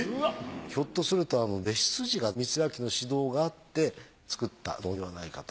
ひょっとすると弟子筋が光明の指導があって作ったものではないかと。